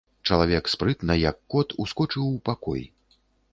Чалавек спрытна, як кот, ускочыў у пакой.